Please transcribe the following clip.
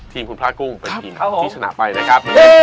ทีมคุณพระกุ้งเป็นทีมที่ชนะไปนะครับ